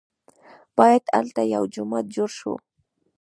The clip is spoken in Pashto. بیا هلته یو جومات جوړ شو.